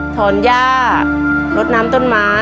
หอนย่าลดน้ำต้นไม้